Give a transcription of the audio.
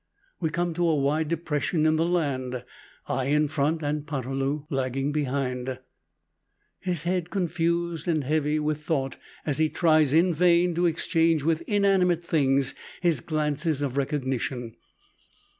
We come to a wide depression in the land, I in front and Poterloo lagging behind, his head confused and heavy with thought as he tries in vain to exchange with inanimate things his glances of recognition.